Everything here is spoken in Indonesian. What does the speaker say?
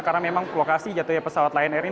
karena memang lokasi jatuhnya pesawat lain erin